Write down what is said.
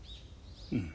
うん。